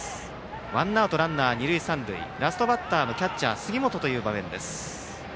ワンアウトランナー、二塁三塁でラストバッターのキャッチャー杉本という場面です。